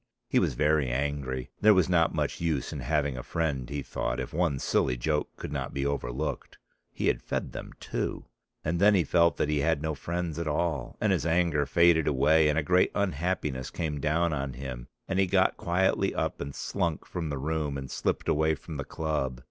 He was very angry. There was not much use in having a friend, he thought, if one silly joke could not be overlooked; he had fed them too. And then he felt that he had no friends at all, and his anger faded away, and a great unhappiness came down on him, and he got quietly up and slunk from the room and slipped away from the club.